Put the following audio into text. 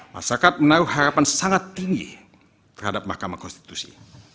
masyarakat menaruh harapan sangat tinggi terhadap mahkamah konstitusi